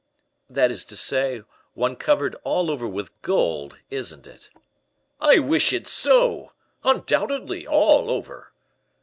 "That is to say, one covered all over with gold, isn't it?" "I wish it so! undoubtedly, all over."